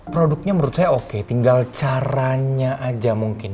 produknya menurut saya oke tinggal caranya aja mungkin